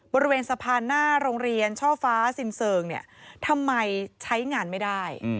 บริเวณสะพานหน้าโรงเรียนช่อฟ้าซินเซิงเนี่ยทำไมใช้งานไม่ได้